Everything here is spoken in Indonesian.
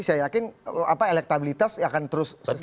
saya yakin elektabilitas akan terus selesai